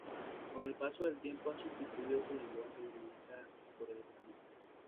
Con el paso del tiempo han sustituido su lenguaje lenca por el español.